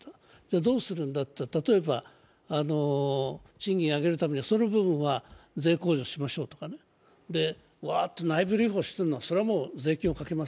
どうするんだといったら、例えば賃金を上げるためにはその分は税控除しましょうとか、内部留保している分は、それはもう税金をかけます。